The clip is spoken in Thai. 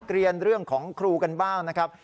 เรียนเรื่องของครูกันบ้างนะครับ